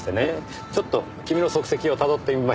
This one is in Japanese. ちょっと君の足跡をたどってみました。